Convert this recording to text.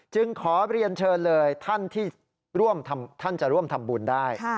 ขอเรียนเชิญเลยท่านที่ท่านจะร่วมทำบุญได้